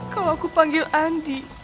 kalau aku panggil andi